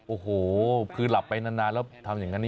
โอ้โหคือหลับไปนานแล้วทำอย่างนั้น